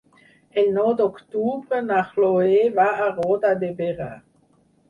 El nou d'octubre na Chloé va a Roda de Berà.